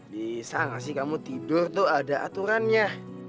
bisa gak sih kamu tidur tuh ada aturannya